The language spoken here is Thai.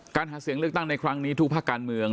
หาเสียงเลือกตั้งในครั้งนี้ทุกภาคการเมือง